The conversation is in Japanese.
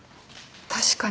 確かに。